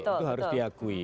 itu harus diakui